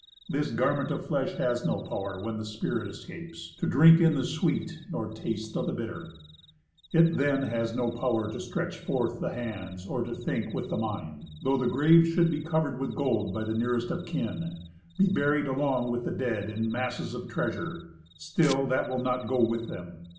This garment of flesh has no power, when the spirit escapes. To drink in the sweet nor to taste of the bitter; it then Has no power to stretch forth the hands or to think with the mind. Though the grave should be covered with gold by the nearest of kin, Be buried along with the dead in masses of treasure. Still that will not go with them.